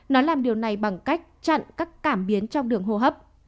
nó làm điều này bằng cách chặn các cảm biến trong đường hô hấp